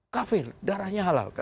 kafir darahnya halal